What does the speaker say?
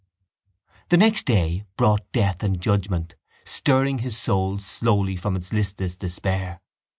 The next day brought death and judgement, stirring his soul slowly from its listless despair.